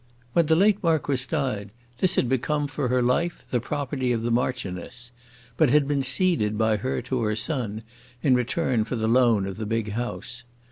When the late marquis died, this had become for her life the property of the Marchioness; but had been ceded by her to her son, in return for the loan of the big house.